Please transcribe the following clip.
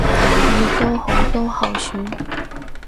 會多好多候選